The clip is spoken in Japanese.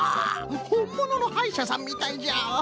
ほんもののはいしゃさんみたいじゃ。